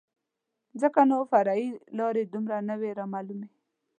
ځکه نو فرعي لارې دومره نه وې رامعلومې.